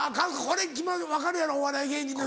これ分かるやろお笑い芸人のロケ。